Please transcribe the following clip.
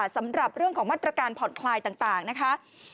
สำหรับเรื่องของมาตรการผ่อนคลายต่างนะคะ